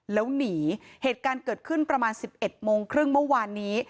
แล้วหนีเหตุการณ์เกิดขึ้นประมาณ๑๑โมงครึ่งเมื่อวานนี้